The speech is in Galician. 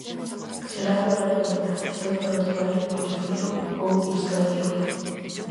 Será en horario de mañá e serve para o traballo de construción ou instalación.